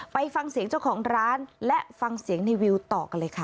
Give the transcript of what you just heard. ไปฟังเสียงเจ้าของร้านและฟังเสียงในวิวต่อกันเลยค่ะ